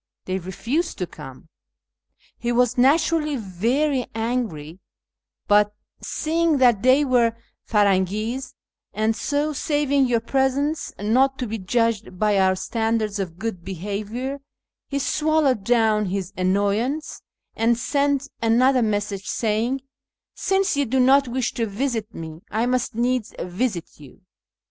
They refused to come. He was naturally very angry ; but, seeing that they were Firangis, and so (saving your presence) not to be judged by our standards of good behaviour, he swallowed down his annoyance, and sent another message saying, ' Since you do not wish to visit me, I must needs visit you.'